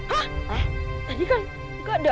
hah tadi kan gak ada